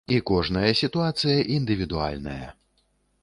І кожная сітуацыя індывідуальная.